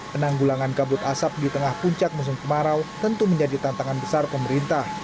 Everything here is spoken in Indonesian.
penanggulangan kabut asap di tengah puncak musim kemarau tentu menjadi tantangan besar pemerintah